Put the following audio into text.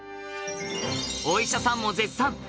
お医者さんも絶賛！